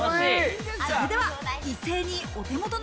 それでは、一斉にお手元の